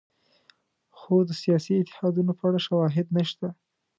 خو د سیاسي اتحادونو په اړه شواهد نشته.